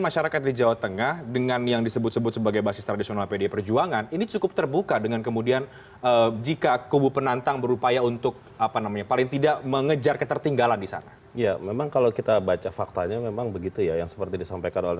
sebelumnya prabowo subianto